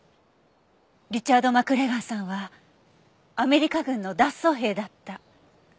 リチャード・マクレガーさんはアメリカ軍の脱走兵だった。